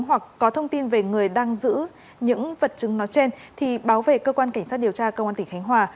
hoặc có thông tin về người đang giữ những vật chứng nó trên thì báo về cơ quan cảnh sát điều tra công an tỉnh khánh hòa